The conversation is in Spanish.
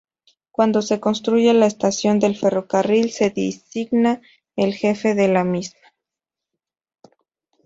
Cuando se construye la estación del ferrocarril, se designa al jefe de la misma.